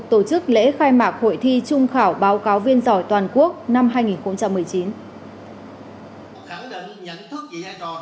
tổ chức lễ khai mạc hội thi trung khảo báo cáo viên giỏi toàn quốc năm hai nghìn một mươi chín